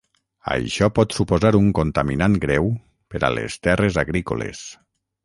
Això pot suposar un contaminant greu per a les terres agrícoles.